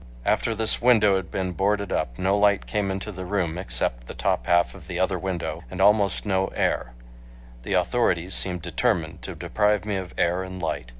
After this window had been boarded up no light came into the room except through the top half of the other window, and almost no air. The authorities seemed determined. to deprive me of air and light.